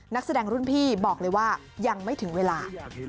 นักแสดงรุ่นพี่บอกเลยว่ายังไม่ถึงเวลา